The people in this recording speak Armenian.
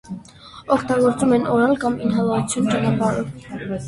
Օգտագործում են օրալ կամ ինհալացիոն ճանապարհով։